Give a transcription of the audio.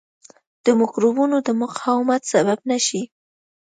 د مکروبونو د مقاومت سبب نه شي.